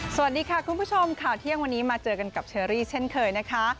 สวัสดีค่ะคุณผู้ชมข่าวเที่ยงวันนี้มาเจอกันกับเชอรี่เช่นเคยนะคะ